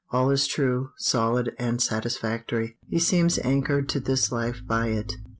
All is true, solid, and satisfactory; he seems anchored to this life by it.